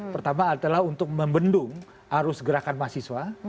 pertama adalah untuk membendung arus gerakan mahasiswa